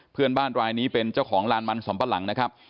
เพื่อนบ้านรายนี้เป็นเจ้าของลานมันสำปะหลังนะครับ